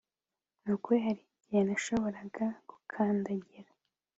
nukuri hari igihe nashoboraga gukandagira